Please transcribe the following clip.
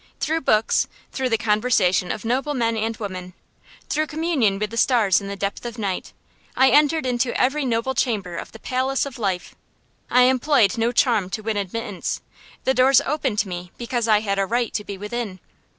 Through books, through the conversation of noble men and women, through communion with the stars in the depth of night, I entered into every noble chamber of the palace of life. I employed no charm to win admittance. The doors opened to me because I had a right to be within.